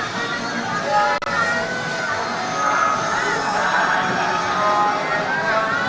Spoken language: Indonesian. kita akan menikmati